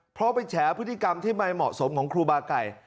เพราะไปแฉพฤติกรรมที่ไม่เหมาะสมของครูบาไก่